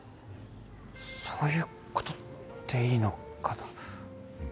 そういうことでいいのかな？